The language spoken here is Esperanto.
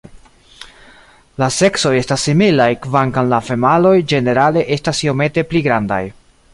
La seksoj estas similaj kvankam la femaloj ĝenerale estas iomete pli grandaj.